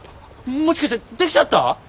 もしかしてできちゃった？